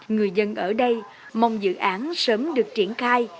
người dân ở đây mong dự án sớm được triển khai